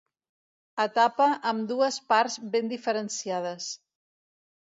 Etapa amb dues parts ben diferenciades.